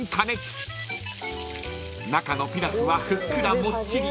［中のピラフはふっくらもっちり］